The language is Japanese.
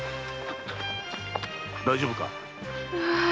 大丈夫か？